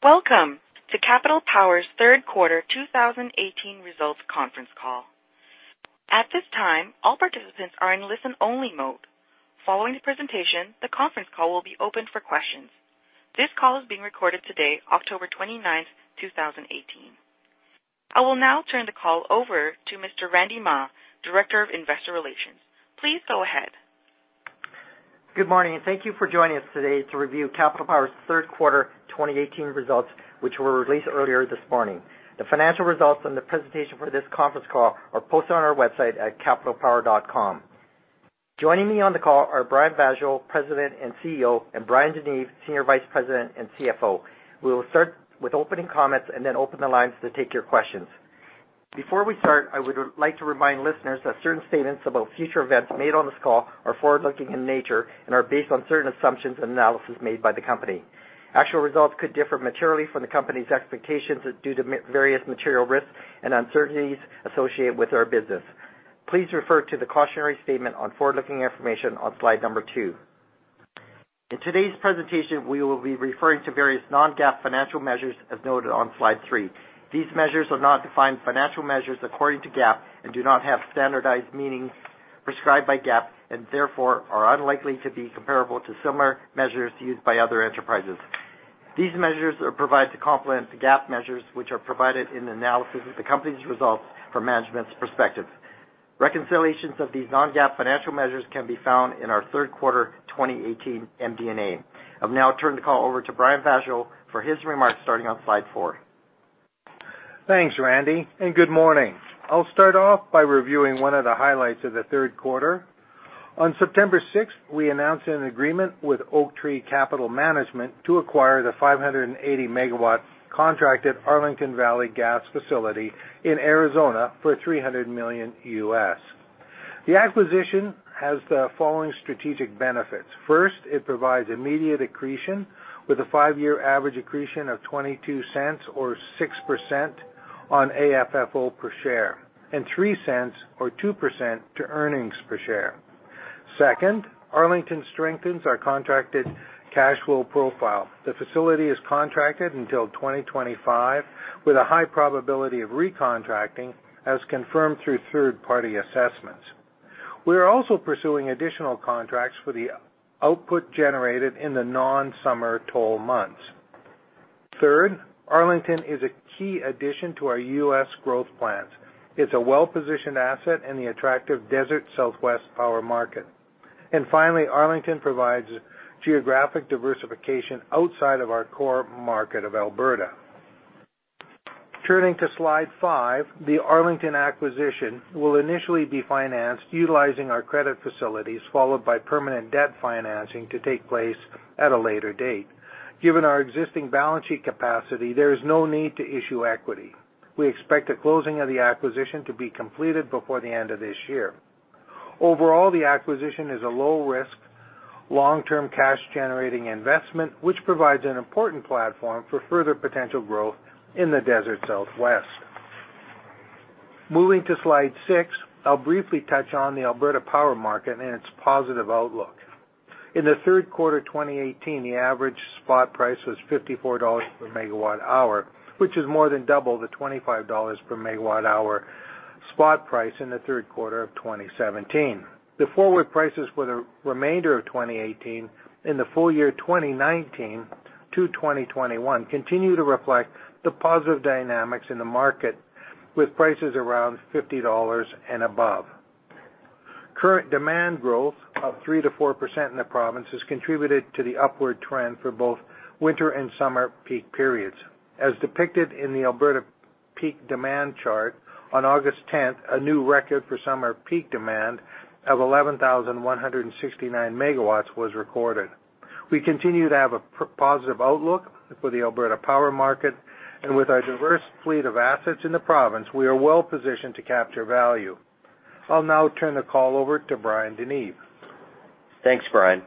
Welcome to Capital Power's third quarter 2018 results conference call. At this time, all participants are in listen-only mode. Following the presentation, the conference call will be open for questions. This call is being recorded today, October 29, 2018. I will now turn the call over to Mr. Randy Mah, Director of Investor Relations. Please go ahead. Good morning, and thank you for joining us today to review Capital Power's third quarter 2018 results, which were released earlier this morning. The financial results and the presentation for this conference call are posted on our website at capitalpower.com. Joining me on the call are Brian Vaasjo, President and CEO, and Bryan DeNeve, Senior Vice President and CFO. We will start with opening comments and then open the lines to take your questions. Before we start, I would like to remind listeners that certain statements about future events made on this call are forward-looking in nature and are based on certain assumptions and analysis made by the company. Actual results could differ materially from the company's expectations due to various material risks and uncertainties associated with our business. Please refer to the cautionary statement on forward-looking information on slide two. In today's presentation, we will be referring to various non-GAAP financial measures, as noted on slide three. These measures are not defined financial measures according to GAAP and do not have standardized meanings prescribed by GAAP and therefore are unlikely to be comparable to similar measures used by other enterprises. These measures are provided to complement the GAAP measures, which are provided in the analysis of the company's results from management's perspective. Reconciliations of these non-GAAP financial measures can be found in our third quarter 2018 MD&A. I'll now turn the call over to Brian Vaasjo for his remarks, starting on slide four. Thanks, Randy, and good morning. I'll start off by reviewing one of the highlights of the third quarter. On September 6, we announced an agreement with Oaktree Capital Management to acquire the 580-megawatt contracted Arlington Valley gas facility in Arizona for $300 million U.S. The acquisition has the following strategic benefits. First, it provides immediate accretion with a five-year average accretion of 0.22 or 6% on AFFO per share, and 0.03 or 2% to earnings per share. Second, Arlington strengthens our contracted cash flow profile. The facility is contracted until 2025 with a high probability of recontracting, as confirmed through third-party assessments. We are also pursuing additional contracts for the output generated in the non-summer toll months. Third, Arlington is a key addition to our U.S. growth plans. It's a well-positioned asset in the attractive Desert Southwest power market. Finally, Arlington provides geographic diversification outside of our core market of Alberta. Turning to slide five, the Arlington acquisition will initially be financed utilizing our credit facilities, followed by permanent debt financing to take place at a later date. Given our existing balance sheet capacity, there is no need to issue equity. We expect the closing of the acquisition to be completed before the end of this year. Overall, the acquisition is a low-risk, long-term cash-generating investment, which provides an important platform for further potential growth in the Desert Southwest. Moving to slide six, I'll briefly touch on the Alberta power market and its positive outlook. In the third quarter 2018, the average spot price was 54 dollars per megawatt hour, which is more than double the 25 dollars per megawatt hour spot price in the third quarter of 2017. The forward prices for the remainder of 2018 and the full year 2019 to 2021 continue to reflect the positive dynamics in the market, with prices around 50 dollars and above. Current demand growth of 3%-4% in the province has contributed to the upward trend for both winter and summer peak periods. As depicted in the Alberta peak demand chart, on August 10th, a new record for summer peak demand of 11,169 MW was recorded. We continue to have a positive outlook for the Alberta power market, and with our diverse fleet of assets in the province, we are well-positioned to capture value. I'll now turn the call over to Bryan DeNeve. Thanks, Brian.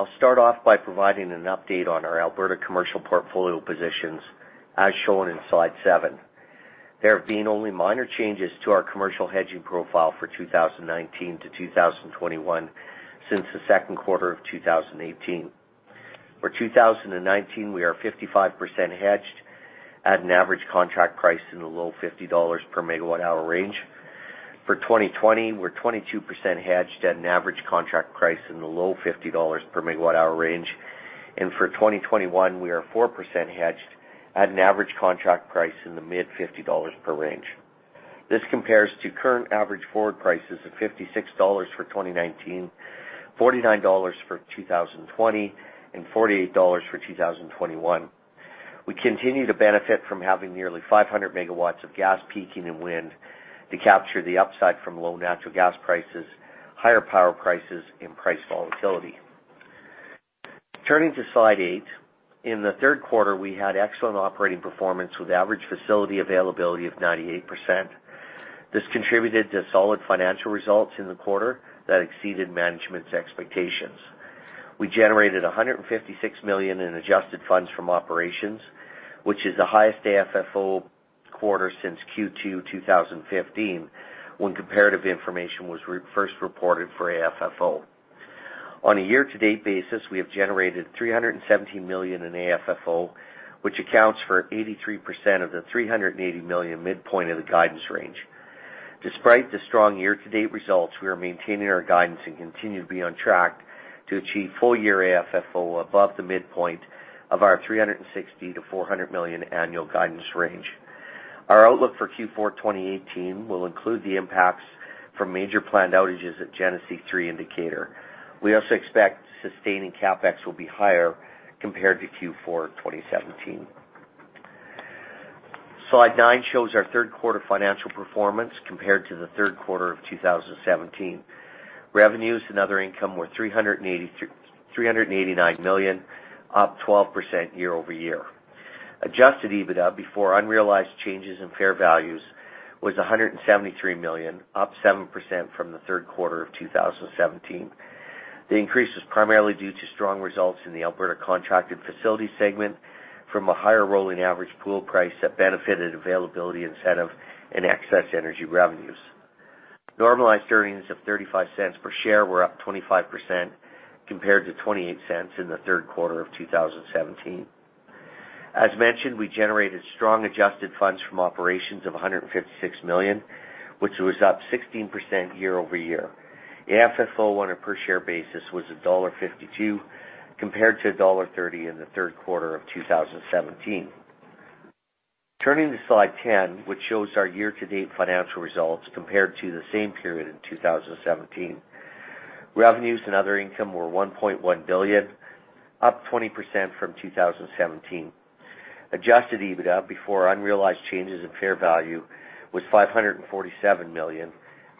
I'll start off by providing an update on our Alberta commercial portfolio positions, as shown in slide seven. There have been only minor changes to our commercial hedging profile for 2019 to 2021 since the second quarter of 2018. For 2019, we are 55% hedged at an average contract price in the low 50 dollars per megawatt hour range. For 2020, we're 22% hedged at an average contract price in the low 50 dollars per megawatt hour range. For 2021, we are 4% hedged at an average contract price in the mid-CAD 50 range. This compares to current average forward prices of 56 dollars for 2019, CAD 49 for 2020, and CAD 48 for 2021. We continue to benefit from having nearly 500 MW of gas peaking and wind to capture the upside from low natural gas prices, higher power prices, and price volatility. Turning to slide eight, in the third quarter, we had excellent operating performance with average facility availability of 98%. This contributed to solid financial results in the quarter that exceeded management's expectations. We generated 156 million in adjusted funds from operations, which is the highest AFFO quarter since Q2 2015, when comparative information was first reported for AFFO. On a year-to-date basis, we have generated 317 million in AFFO, which accounts for 83% of the 380 million midpoint of the guidance range. Despite the strong year-to-date results, we are maintaining our guidance and continue to be on track to achieve full-year AFFO above the midpoint of our 360 million-400 million annual guidance range. Our outlook for Q4 2018 will include the impacts from major planned outages at Genesee 3 and Decatur. We also expect sustaining CapEx will be higher compared to Q4 2017. Slide nine shows our third quarter financial performance compared to the third quarter of 2017. Revenues and other income were CAD 389 million, up 12% year-over-year. Adjusted EBITDA before unrealized changes in fair values was 173 million, up 7% from the third quarter of 2017. The increase was primarily due to strong results in the Alberta contracted facilities segment from a higher rolling average pool price that benefited availability incentive and excess energy revenues. Normalized earnings of 0.35 per share were up 25% compared to 0.28 in the third quarter of 2017. As mentioned, we generated strong adjusted funds from operations of 156 million, which was up 16% year-over-year. AFFO on a per share basis was dollar 1.52 compared to dollar 1.30 in the third quarter of 2017. Turning to slide 10, which shows our year-to-date financial results compared to the same period in 2017. Revenues and other income were 1.1 billion, up 20% from 2017. Adjusted EBITDA before unrealized changes in fair value was 547 million,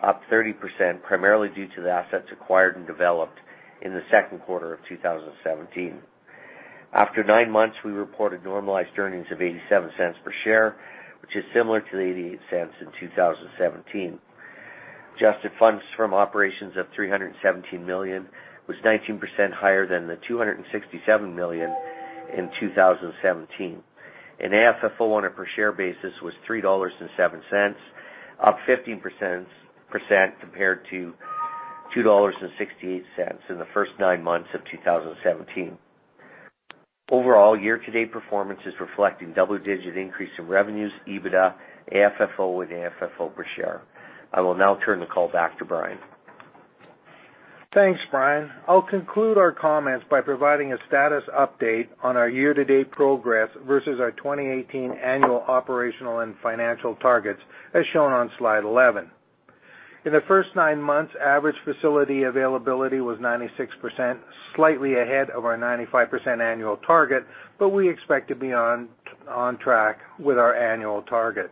up 30%, primarily due to the assets acquired and developed in the second quarter of 2017. After nine months, we reported normalized earnings of 0.87 per share, which is similar to the 0.88 in 2017. Adjusted funds from operations of 317 million was 19% higher than the 267 million in 2017, and AFFO on a per share basis was 3.07 dollars, up 15% compared to 2.68 dollars in the first nine months of 2017. Overall, year-to-date performance is reflecting double-digit increase in revenues, EBITDA, AFFO, and AFFO per share. I will now turn the call back to Brian. Thanks, Brian. I'll conclude our comments by providing a status update on our year-to-date progress versus our 2018 annual operational and financial targets, as shown on slide 11. In the first nine months, average facility availability was 96%, slightly ahead of our 95% annual target, but we expect to be on track with our annual target.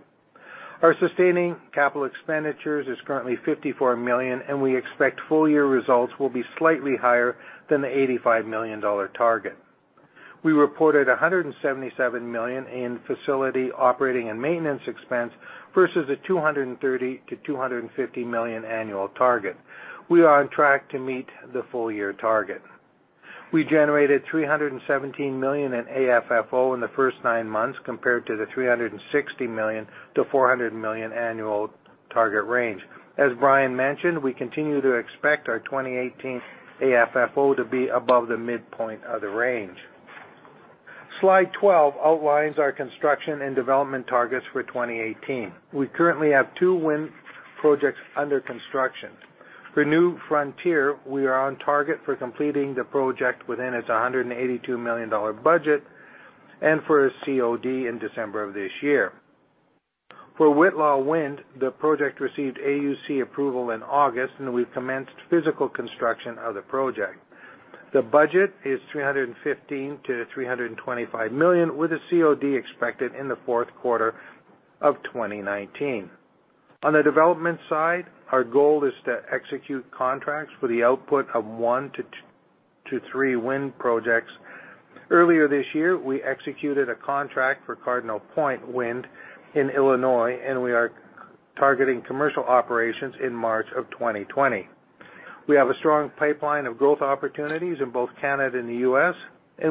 Our sustaining capital expenditures is currently 54 million, and we expect full-year results will be slightly higher than the 85 million dollar target. We reported 177 million in facility operating and maintenance expense versus a 230 million-250 million annual target. We are on track to meet the full-year target. We generated 317 million in AFFO in the first nine months, compared to the 360 million-400 million annual target range. As Brian mentioned, we continue to expect our 2018 AFFO to be above the midpoint of the range. Slide 12 outlines our construction and development targets for 2018. We currently have two wind projects under construction. For New Frontier, we are on target for completing the project within its 182 million dollar budget, and for a COD in December of this year. For Whitla Wind, the project received AUC approval in August, and we've commenced physical construction of the project. The budget is 315 million-325 million, with a COD expected in the fourth quarter of 2019. On the development side, our goal is to execute contracts for the output of one to two to three wind projects. Earlier this year, we executed a contract for Cardinal Point Wind in Illinois, and we are targeting commercial operations in March of 2020. We have a strong pipeline of growth opportunities in both Canada and the U.S.,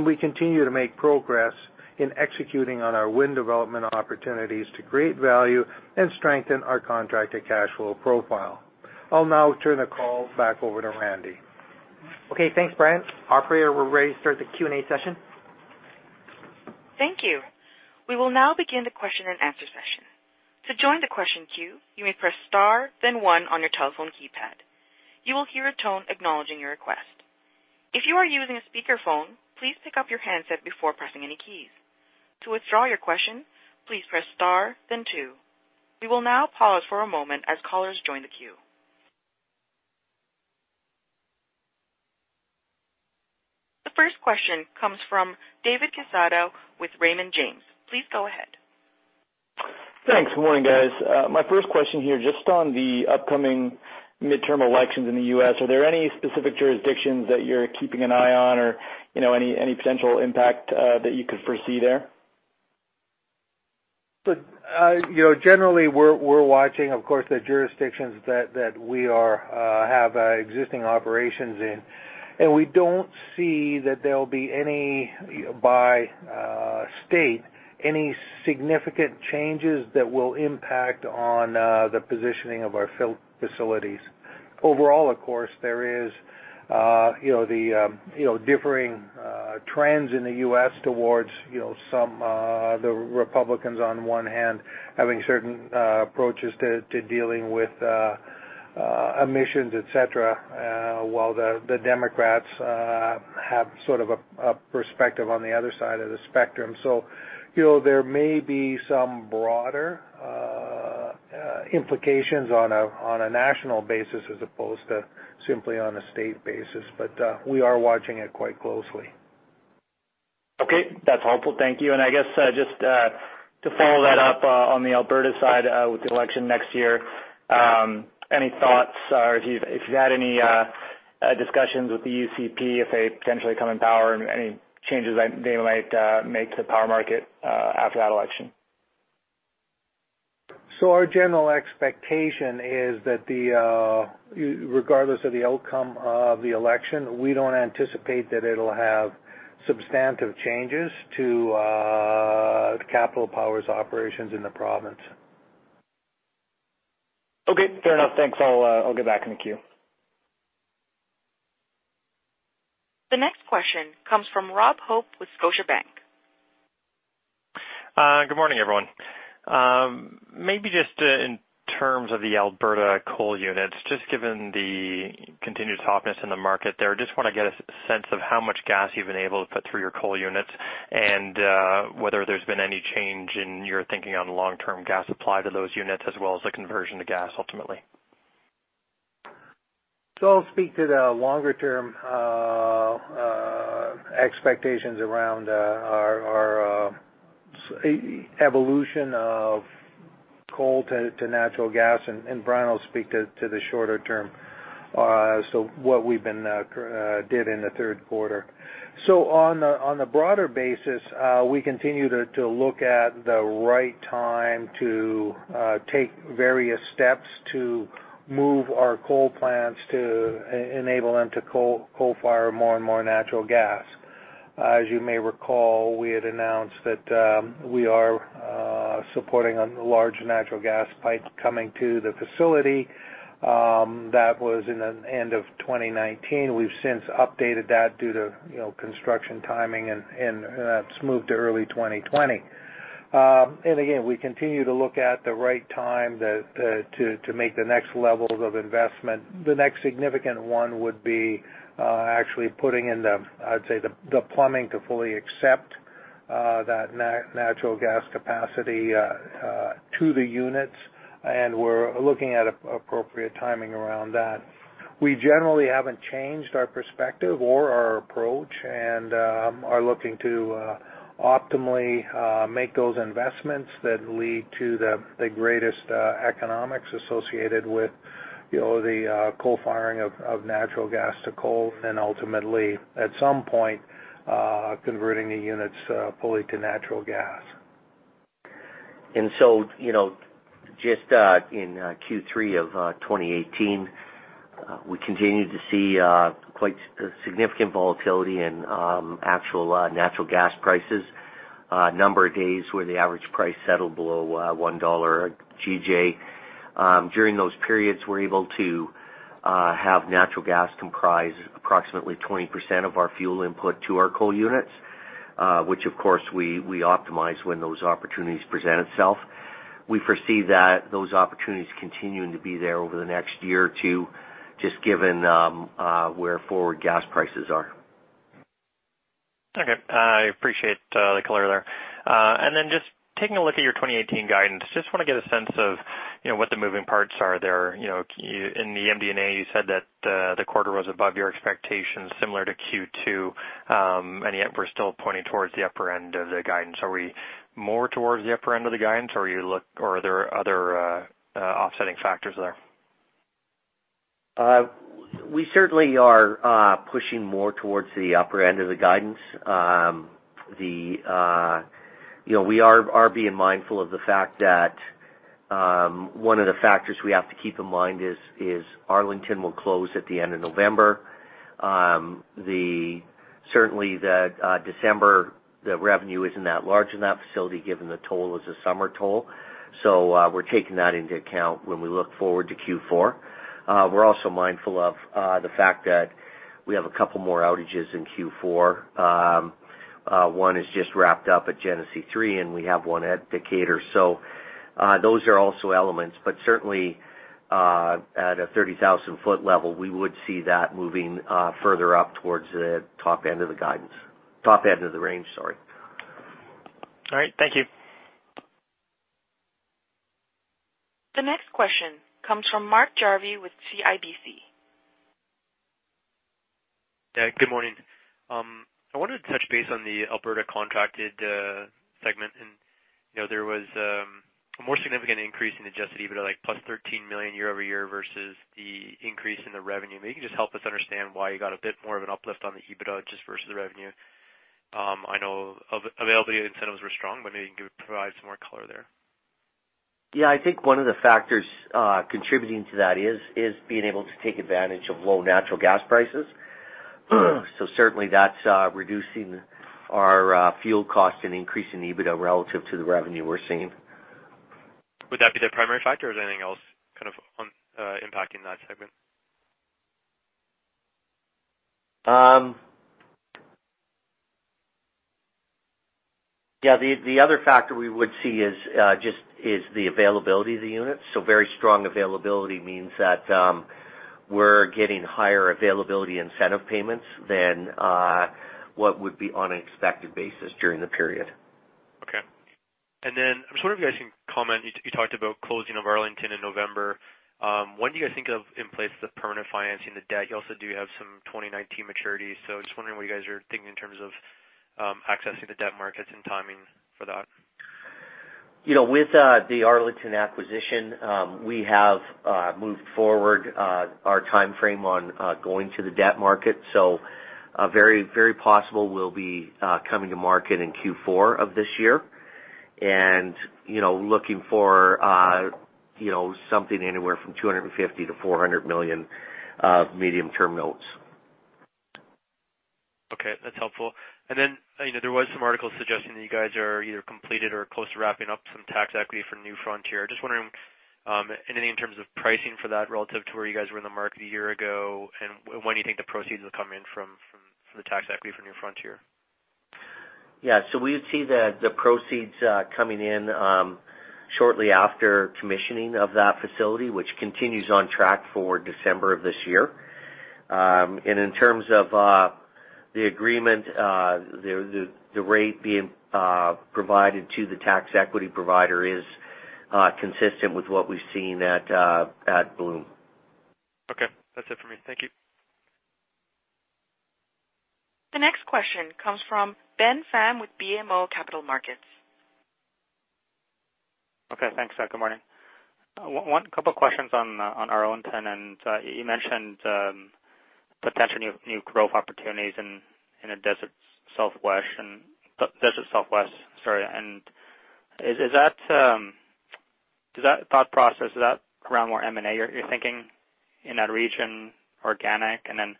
we continue to make progress in executing on our wind development opportunities to create value and strengthen our contracted cash flow profile. I'll now turn the call back over to Randy. Okay. Thanks, Brian. Operator, we're ready to start the Q&A session. Thank you. We will now begin the question and answer session. To join the question queue, you may press star then one on your telephone keypad. You will hear a tone acknowledging your request. If you are using a speakerphone, please pick up your handset before pressing any keys. To withdraw your question, please press star then two. We will now pause for a moment as callers join the queue. The first question comes from David Quezada with Raymond James. Please go ahead. Thanks. Good morning, guys. My first question here, just on the upcoming midterm elections in the U.S., are there any specific jurisdictions that you're keeping an eye on or any potential impact that you could foresee there? We're watching, of course, the jurisdictions that we have existing operations in, and we don't see that there'll be any, by state, any significant changes that will impact on the positioning of our facilities. Overall, of course, there is the differing trends in the U.S. towards some, the Republicans on one hand, having certain approaches to dealing with emissions, et cetera, while the Democrats have sort of a perspective on the other side of the spectrum. There may be some broader implications on a national basis as opposed to simply on a state basis. We are watching it quite closely. Okay, that's helpful. Thank you. I guess just to follow that up on the Alberta side with the election next year, any thoughts or if you've had any discussions with the UCP if they potentially come in power and any changes that they might make to the power market after that election? Our general expectation is that regardless of the outcome of the election, we don't anticipate that it'll have substantive changes to Capital Power's operations in the province. Okay, fair enough. Thanks. I'll get back in the queue. The next question comes from Robert Hope with Scotiabank. Good morning, everyone. Maybe just in terms of the Alberta coal units, just given the continued softness in the market there, just want to get a sense of how much gas you've been able to put through your coal units and whether there's been any change in your thinking on long-term gas supply to those units as well as the conversion to gas ultimately. I'll speak to the longer-term expectations around our evolution of coal to natural gas, and Bryan will speak to the shorter term, what we did in the third quarter. On the broader basis, we continue to look at the right time to take various steps to move our coal plants, to enable them to co-fire more and more natural gas. As you may recall, we had announced that we are supporting a large natural gas pipe coming to the facility. That was in the end of 2019. We've since updated that due to construction timing, and that's moved to early 2020. Again, we continue to look at the right time to make the next levels of investment. The next significant one would be actually putting in the, I'd say, the plumbing to fully accept that natural gas capacity to the units, and we're looking at appropriate timing around that. We generally haven't changed our perspective or our approach and are looking to optimally make those investments that lead to the greatest economics associated with the co-firing of natural gas to coal and ultimately, at some point, converting the units fully to natural gas. Just in Q3 of 2018, we continued to see quite significant volatility in actual natural gas prices. A number of days where the average price settled below 1 dollar GJ. During those periods, we are able to have natural gas comprise approximately 20% of our fuel input to our coal units, which of course, we optimize when those opportunities present itself. We foresee those opportunities continuing to be there over the next one or two, just given where forward gas prices are. Okay. I appreciate the color there. Just taking a look at your 2018 guidance, just want to get a sense of what the moving parts are there. In the MD&A, you said that the quarter was above your expectations, similar to Q2, yet we are still pointing towards the upper end of the guidance. Are we more towards the upper end of the guidance, or are there other offsetting factors there? We certainly are pushing more towards the upper end of the guidance. We are being mindful of the fact that one of the factors we have to keep in mind is Arlington will close at the end of November. Certainly, December, the revenue is not that large in that facility given the toll is a summer toll. We are taking that into account when we look forward to Q4. We are also mindful of the fact that we have a couple more outages in Q4. One is just wrapped up at Genesee 3, and we have one at Decatur. Those are also elements, but certainly at a 30,000-foot level, we would see that moving further up towards the top end of the range. All right. Thank you. The next question comes from Mark Jarvi with CIBC. Good morning. I wanted to touch base on the Alberta contracted segment, and there was a more significant increase in adjusted EBITDA, like plus 13 million year-over-year versus the increase in the revenue. Maybe you can just help us understand why you got a bit more of an uplift on the EBITDA just versus the revenue. I know availability incentives were strong, but maybe you can provide some more color there. Yeah. I think one of the factors contributing to that is being able to take advantage of low natural gas prices. Certainly, that's reducing our fuel cost and increasing EBITDA relative to the revenue we're seeing. Would that be the primary factor or is there anything else kind of impacting that segment? Yeah. The other factor we would see is the availability of the units. Very strong availability means that we're getting higher availability incentive payments than what would be on an expected basis during the period. Okay. I was wondering if you guys can comment, you talked about closing of Arlington in November. When do you guys think of in place the permanent financing, the debt? You also do have some 2019 maturities, just wondering what you guys are thinking in terms of accessing the debt markets and timing for that. With the Arlington acquisition, we have moved forward our timeframe on going to the debt market. Very possible we'll be coming to market in Q4 of this year and looking for something anywhere from 250 million-400 million of medium-term notes. Okay. That's helpful. There was some articles suggesting that you guys are either completed or close to wrapping up some tax equity for New Frontier. Just wondering, anything in terms of pricing for that relative to where you guys were in the market a year ago, and when do you think the proceeds will come in from the tax equity for New Frontier? Yeah. We would see the proceeds coming in shortly after commissioning of that facility, which continues on track for December of this year. In terms of the agreement, the rate being provided to the tax equity provider is consistent with what we've seen at Bloom. Okay. That's it for me. Thank you. The next question comes from Ben Pham with BMO Capital Markets. Okay, thanks. Good morning. One couple of questions on Arlington, you mentioned potential new growth opportunities in the Desert Southwest. Does that thought process, is that around more M&A you're thinking in that region, organic? Then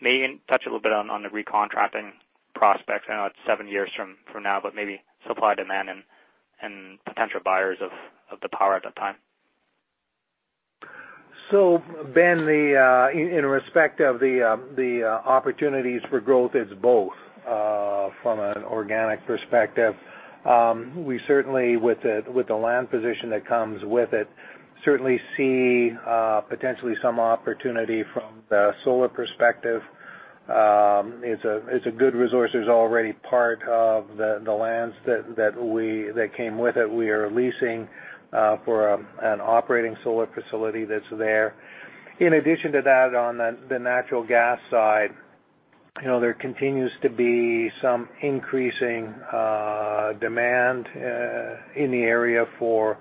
maybe touch a little bit on the recontracting prospects. I know it's seven years from now, but maybe supply, demand, and potential buyers of the power at that time. Ben, in respect of the opportunities for growth, it's both. From an organic perspective, we certainly with the land position that comes with it, certainly see potentially some opportunity from the solar perspective. It's a good resource. There's already part of the lands that came with it, we are leasing for an operating solar facility that's there. In addition to that, on the natural gas side, there continues to be some increasing demand in the area for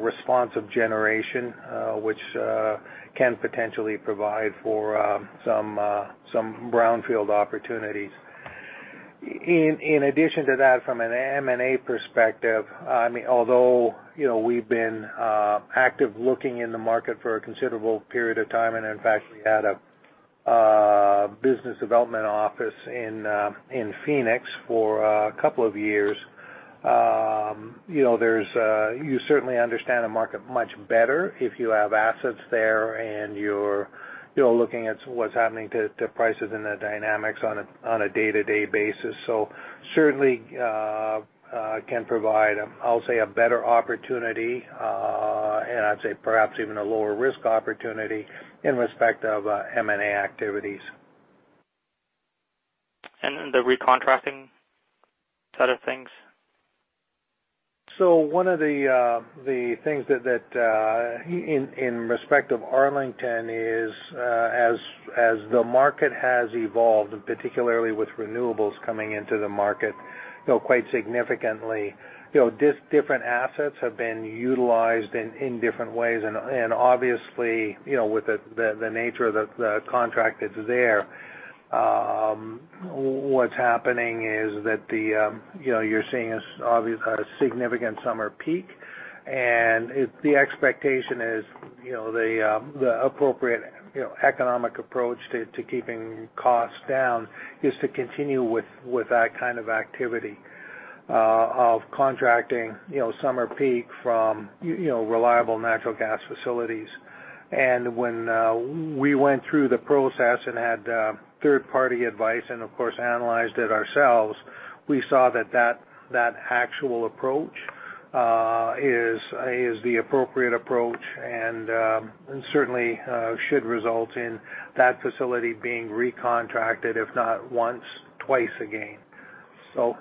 responsive generation, which can potentially provide for some brownfield opportunities. In addition to that, from an M&A perspective, although we've been active looking in the market for a considerable period of time, and in fact, we had a business development office in Phoenix for a couple of years. You certainly understand the market much better if you have assets there and you're looking at what's happening to prices and the dynamics on a day-to-day basis. Certainly, can provide, I'll say, a better opportunity, and I'd say perhaps even a lower risk opportunity in respect of M&A activities. The recontracting side of things? One of the things in respect of Arlington is, as the market has evolved, and particularly with renewables coming into the market quite significantly, these different assets have been utilized in different ways. Obviously, with the nature of the contract that's there, what's happening is that you're seeing a significant summer peak. The expectation is the appropriate economic approach to keeping costs down is to continue with that kind of activity of contracting summer peak from reliable natural gas facilities. When we went through the process and had third-party advice and, of course, analyzed it ourselves, we saw that actual approach is the appropriate approach and certainly should result in that facility being recontracted, if not once, twice again.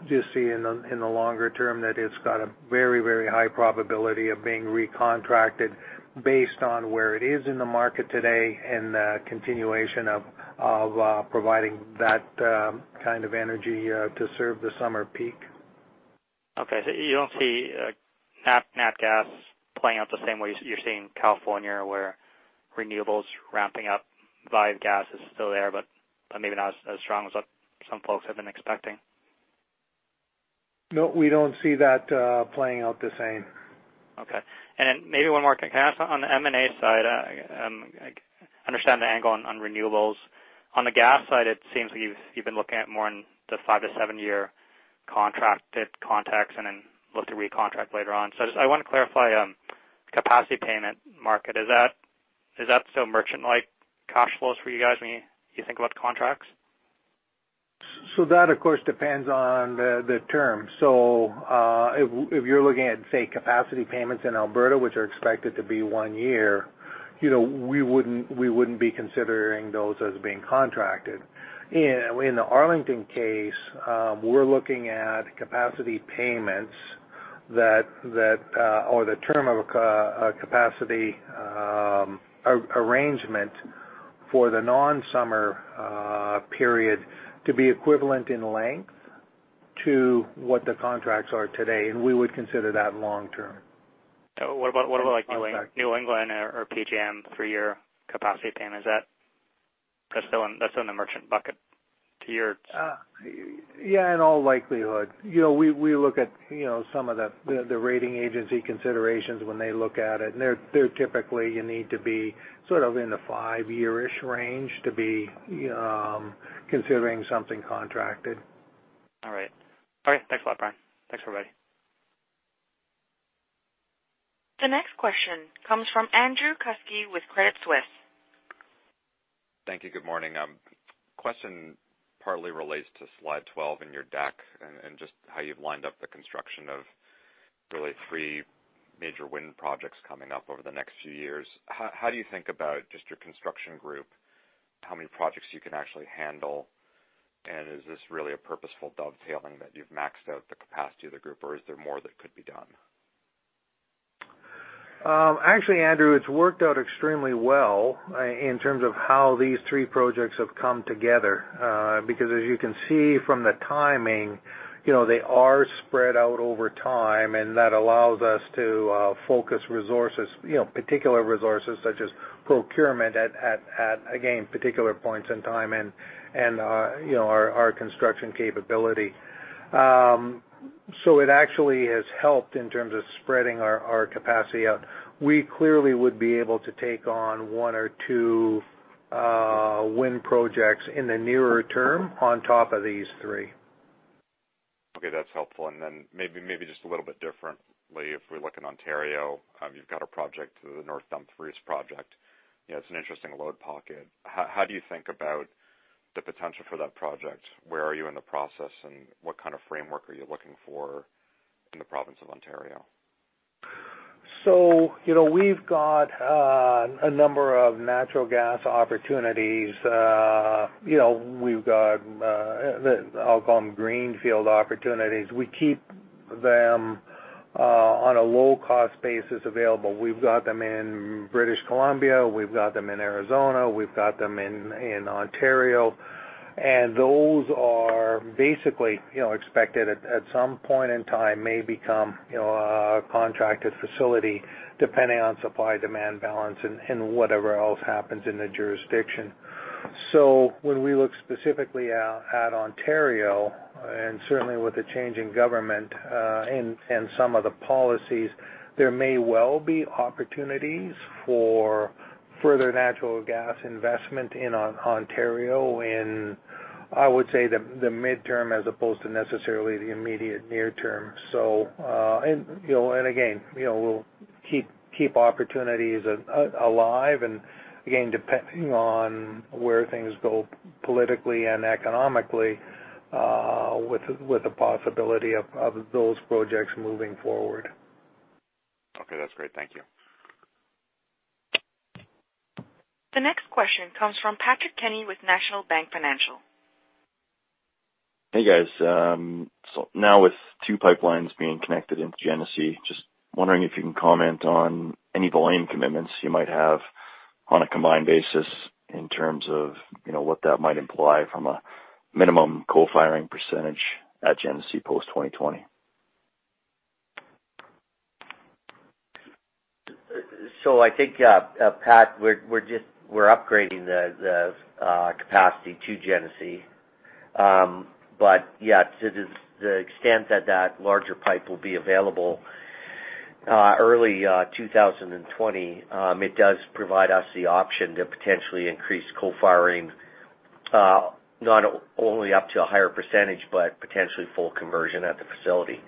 Just see in the longer term that it's got a very high probability of being recontracted Based on where it is in the market today and the continuation of providing that kind of energy to serve the summer peak. Okay. You don't see nat gas playing out the same way you're seeing California, where renewables ramping up, while gas is still there, but maybe not as strong as what some folks have been expecting? No, we don't see that playing out the same. Okay. Then maybe one more. Can I ask on the M&A side, I understand the angle on renewables. On the gas side, it seems like you've been looking at more in the five- to seven-year contracted contracts and then look to recontract later on. I want to clarify capacity payment market. Is that still merchant-like cash flows for you guys when you think about the contracts? That, of course, depends on the term. If you're looking at, say, capacity payments in Alberta, which are expected to be one year, we wouldn't be considering those as being contracted. In the Arlington case, we're looking at capacity payments or the term of a capacity arrangement for the non-summer period to be equivalent in length to what the contracts are today, and we would consider that long-term. What about like New England or PJM three-year capacity payment? That's still in the merchant bucket. Yeah, in all likelihood. We look at some of the rating agency considerations when they look at it, there typically you need to be sort of in the five-year-ish range to be considering something contracted. All right. Thanks a lot, Brian. Thanks, everybody. The next question comes from Andrew Kuske with Credit Suisse. Thank you. Good morning. Question partly relates to slide 12 in your deck and just how you've lined up the construction of really three major wind projects coming up over the next few years. How do you think about just your construction group, how many projects you can actually handle? Is this really a purposeful dovetailing that you've maxed out the capacity of the group, or is there more that could be done? Actually, Andrew, it's worked out extremely well in terms of how these three projects have come together. As you can see from the timing, they are spread out over time, that allows us to focus resources, particular resources such as procurement at, again, particular points in time and our construction capability. It actually has helped in terms of spreading our capacity out. We clearly would be able to take on one or two wind projects in the nearer term on top of these three. Okay, that's helpful. Then maybe just a little bit differently, if we look in Ontario, you've got a project, the North Dumfries project. It's an interesting load pocket. How do you think about the potential for that project? Where are you in the process, what kind of framework are you looking for in the province of Ontario? We've got a number of natural gas opportunities. I'll call them greenfield opportunities. We keep them on a low-cost basis available. We've got them in British Columbia, we've got them in Arizona, we've got them in Ontario. Those are basically expected at some point in time may become a contracted facility, depending on supply-demand balance and whatever else happens in the jurisdiction. When we look specifically at Ontario, and certainly with the change in government, and some of the policies, there may well be opportunities for further natural gas investment in Ontario in, I would say, the midterm as opposed to necessarily the immediate near term. Again, we'll keep opportunities alive and again, depending on where things go politically and economically, with the possibility of those projects moving forward. Okay, that's great. Thank you. The next question comes from Patrick Kenny with National Bank Financial. Hey, guys. Now with two pipelines being connected into Genesee, just wondering if you can comment on any volume commitments you might have on a combined basis in terms of what that might imply from a minimum co-firing percentage at Genesee post 2020. I think, Pat, we're upgrading the capacity to Genesee. Yeah, to the extent that that larger pipe will be available early 2020, it does provide us the option to potentially increase co-firing, not only up to a higher %, but potentially full conversion at the facility.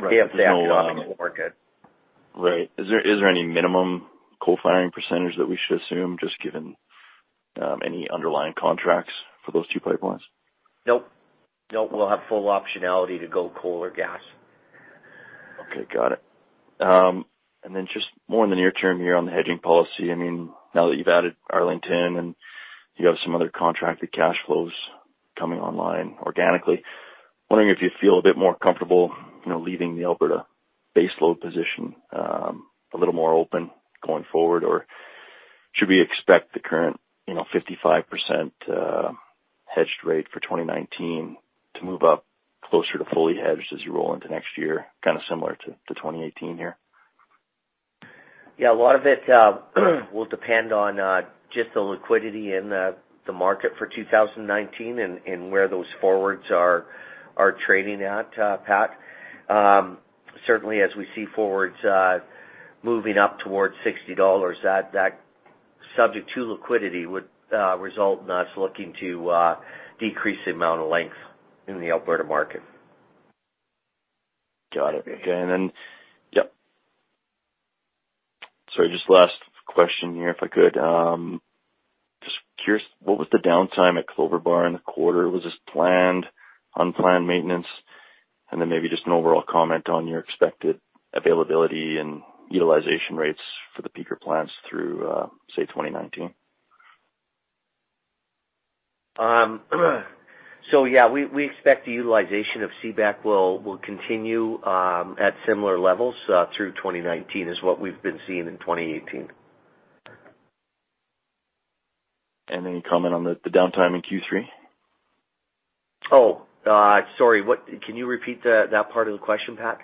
If the economics work out. Right. Is there any minimum co-firing percentage that we should assume, just given any underlying contracts for those two pipelines? Nope. We'll have full optionality to go coal or gas. Okay, got it. Just more in the near term here on the hedging policy. Now that you've added Arlington and you have some other contracted cash flows coming online organically. Wondering if you feel a bit more comfortable leaving the Alberta baseload position a little more open going forward, or should we expect the current 55% hedged rate for 2019 to move up closer to fully hedged as you roll into next year, kind of similar to 2018 here? Yeah. A lot of it will depend on just the liquidity in the market for 2019 and where those forwards are trading at, Pat. Certainly, as we see forwards moving up towards 60 dollars, that subject to liquidity would result in us looking to decrease the amount of length in the Alberta market. Got it. Okay. Then, yep. Sorry, just last question here, if I could. Just curious, what was the downtime at Cloverbar in the quarter? Was this planned, unplanned maintenance? Then maybe just an overall comment on your expected availability and utilization rates for the peaker plants through, say, 2019. Yeah, we expect the utilization of CBEC will continue at similar levels through 2019 as what we've been seeing in 2018. Any comment on the downtime in Q3? Oh, sorry. Can you repeat that part of the question, Pat?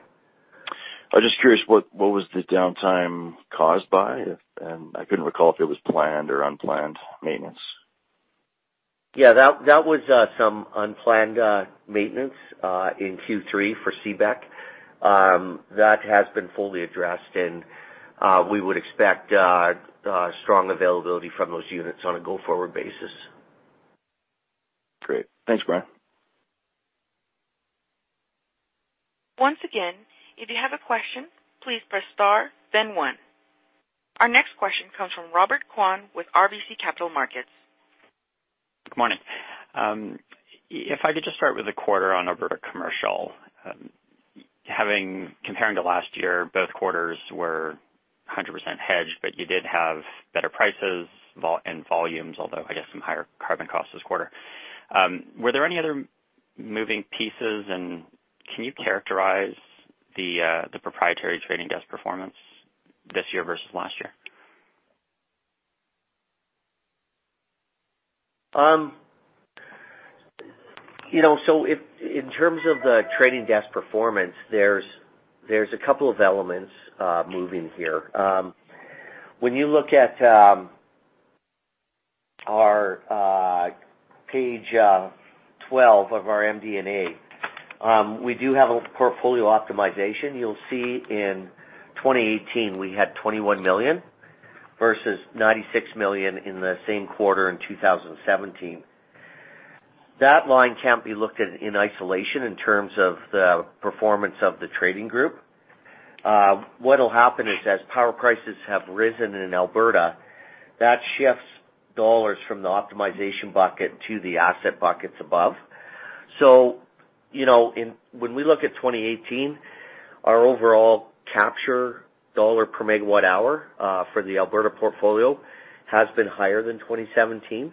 I was just curious, what was the downtime caused by? I couldn't recall if it was planned or unplanned maintenance. Yeah, that was some unplanned maintenance in Q3 for CBEC. That has been fully addressed. We would expect strong availability from those units on a go-forward basis. Great. Thanks, Brian. Once again, if you have a question, please press star, then one. Our next question comes from Robert Kwan with RBC Capital Markets. Good morning. If I could just start with the quarter on Alberta commercial. You did have better prices and volumes, although, I guess some higher carbon costs this quarter. Were there any other moving pieces, and can you characterize the proprietary trading desk performance this year versus last year? In terms of the trading desk performance, there's a couple of elements moving here. When you look at our page 12 of our MD&A, we do have a portfolio optimization. You'll see in 2018, we had 21 million versus 96 million in the same quarter in 2017. That line can't be looked at in isolation in terms of the performance of the trading group. What'll happen is as power prices have risen in Alberta, that shifts dollars from the optimization bucket to the asset buckets above. When we look at 2018, our overall capture dollar per megawatt hour for the Alberta portfolio has been higher than 2017.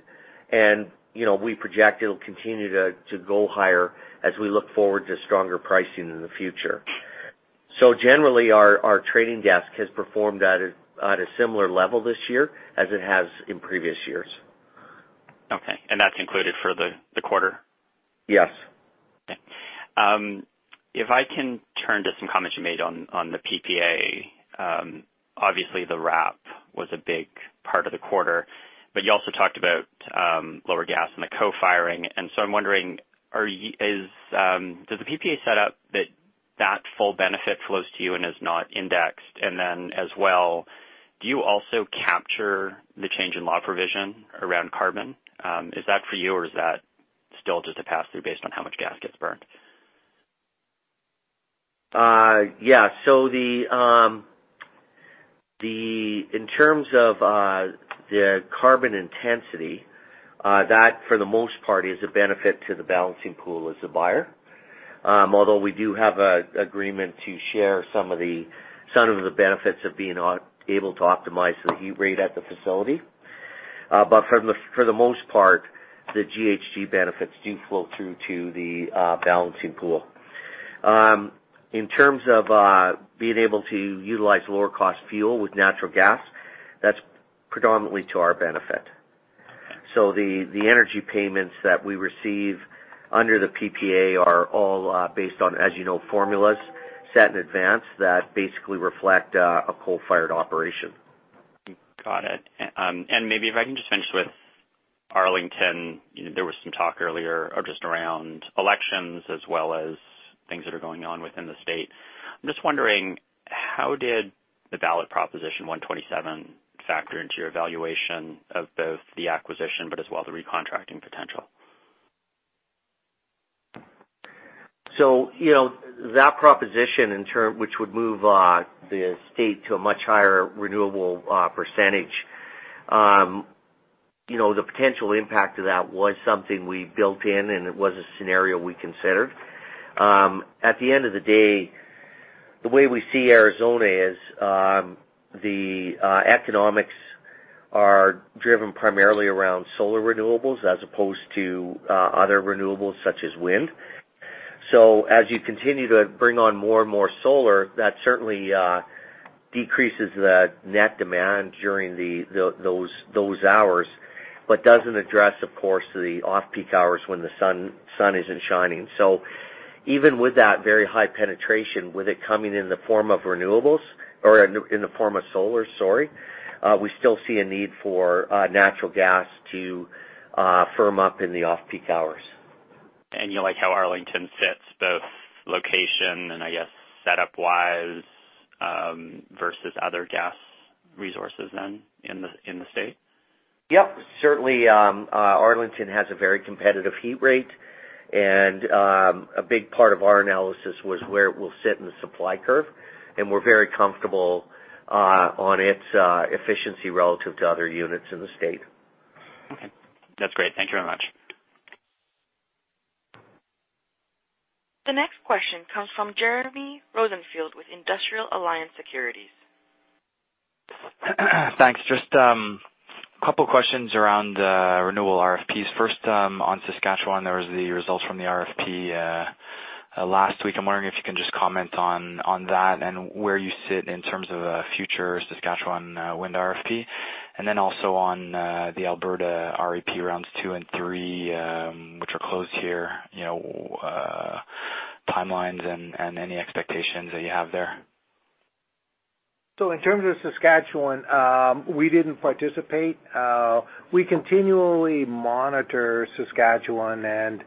We project it'll continue to go higher as we look forward to stronger pricing in the future. Generally, our trading desk has performed at a similar level this year as it has in previous years. Okay. That's included for the quarter? Yes. Okay. If I can turn to some comments you made on the PPA. Obviously, the RAP was a big part of the quarter, but you also talked about lower gas and the co-firing. I'm wondering, does the PPA set up that full benefit flows to you and is not indexed? As well, do you also capture the change in law provision around carbon? Is that for you or is that still just a pass-through based on how much gas gets burned? Yeah. In terms of the carbon intensity, that, for the most part, is a benefit to the Balancing Pool as a buyer. Although we do have an agreement to share some of the benefits of being able to optimize the heat rate at the facility. For the most part, the GHG benefits do flow through to the Balancing Pool. In terms of being able to utilize lower-cost fuel with natural gas, that's predominantly to our benefit. The energy payments that we receive under the PPA are all based on, as you know, formulas set in advance that basically reflect a coal-fired operation. Got it. Maybe if I can just finish with Arlington. There was some talk earlier just around elections as well as things that are going on within the state. I'm just wondering, how did the ballot Proposition 127 factor into your evaluation of both the acquisition, but as well, the recontracting potential? That proposition, which would move the state to a much higher renewable percentage. The potential impact of that was something we built in, and it was a scenario we considered. At the end of the day. The way we see Arizona is the economics are driven primarily around solar renewables as opposed to other renewables such as wind. As you continue to bring on more and more solar, that certainly decreases the net demand during those hours, but doesn't address, of course, the off-peak hours when the sun isn't shining. Even with that very high penetration, with it coming in the form of renewables or in the form of solar, sorry, we still see a need for natural gas to firm up in the off-peak hours. You like how Arlington fits both location and I guess, setup wise, versus other gas resources then in the state? Yep. Certainly, Arlington has a very competitive heat rate. A big part of our analysis was where it will sit in the supply curve, and we're very comfortable on its efficiency relative to other units in the state. Okay. That's great. Thank you very much. The next question comes from Jeremy Rosenfield with Industrial Alliance Securities. Thanks. Just a couple of questions around renewable RFPs. First, on Saskatchewan, there was the results from the RFP last week. I'm wondering if you can just comment on that and where you sit in terms of a future Saskatchewan wind RFP. Also on the Alberta REP rounds 2 and 3, which are closed here, timelines and any expectations that you have there. In terms of Saskatchewan, we didn't participate. We continually monitor Saskatchewan and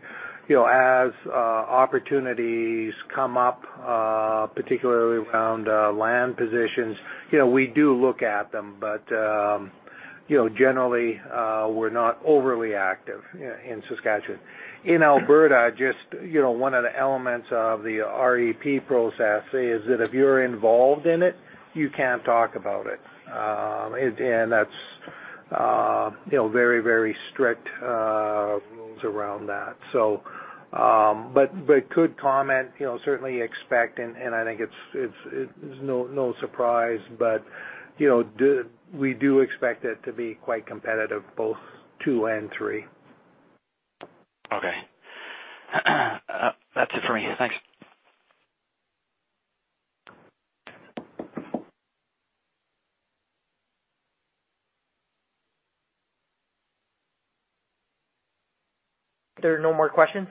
as opportunities come up, particularly around land positions, we do look at them. Generally, we're not overly active in Saskatchewan. In Alberta, just one of the elements of the REP process is that if you're involved in it, you can't talk about it. That's very, very strict rules around that. Could comment, certainly expect and I think it's no surprise, but we do expect it to be quite competitive, both 2 and 3. Okay. That's it for me. Thanks. There are no more questions?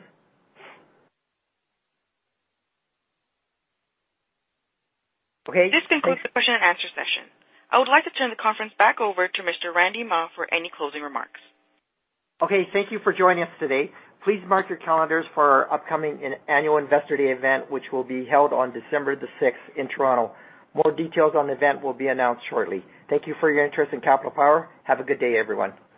Okay. This concludes the question and answer session. I would like to turn the conference back over to Mr. Randy Mah for any closing remarks. Okay, thank you for joining us today. Please mark your calendars for our upcoming annual investor day event, which will be held on December the 6th in Toronto. More details on the event will be announced shortly. Thank you for your interest in Capital Power. Have a good day, everyone.